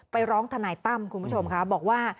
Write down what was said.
ไปร้องทนายตั้มคุณผู้ชมค่ะบอกว่า